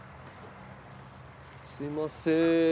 すみません。